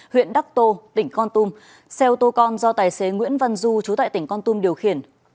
huyện đắc tô tỉnh con tum xe ô tô con do tài xế nguyễn văn du chú tại tỉnh con tum điều khiển